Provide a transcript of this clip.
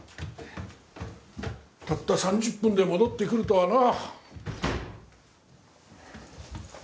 たった３０分で戻ってくるとはな。